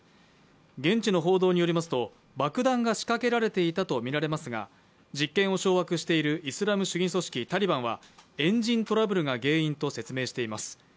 現地の報道によりますと爆弾が仕掛けられたとみられますが、実権を掌握しているイスラム主義組織タリバンはエンジントラブルが原因と説明しています。